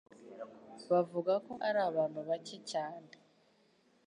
bavuga ko ari abantu bake cyane